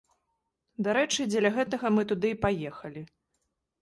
Дарэчы, дзеля гэтага мы туды і паехалі.